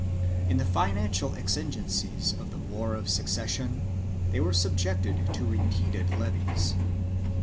In the financial exigencies of the War of Succession they were subjected to repeated levies.